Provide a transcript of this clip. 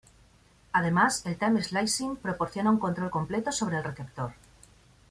Además, el time-slicing proporciona un control completo sobre el receptor.